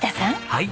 はい。